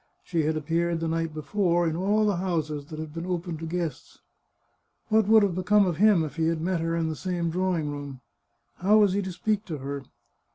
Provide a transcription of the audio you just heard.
She had appeared the night before in all the houses that had been open to guests. What would have become of him if he had met her in the same draw ing room? How was he to speak to her?